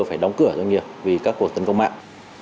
phải đóng cửa doanh nghiệp vì các cuộc tấn công mạng